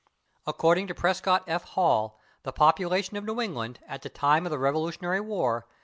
According to Prescott F. Hall, "the population of New England ... at the date of the Revolutionary War